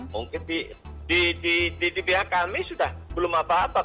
mungkin di pihak kami sudah belum apa apa